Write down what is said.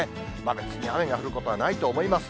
別に雨が降ることはないと思います。